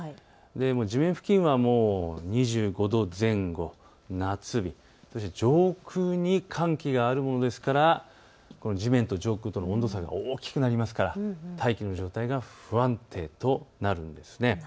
地面付近は２５度前後、夏日、そして上空に寒気があるので地面と上空との温度差が大きくなるので大気の状態が不安定となるんです。